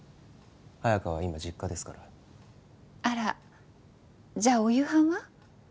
綾華は今実家ですからあらじゃあお夕飯は？